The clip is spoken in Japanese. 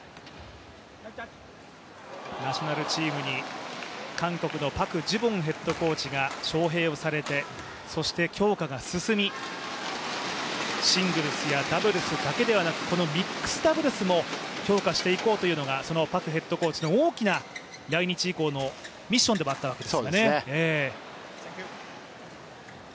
ナショナルチームに韓国のパク・ジュボンヘッドコーチが招へいをされて強化が進み、シングルスやダブルスだけでなくこのミックスダブルスも強化していこうというのがパクヘッドコーチの大きな来日以降のミッションでもあったわけですね。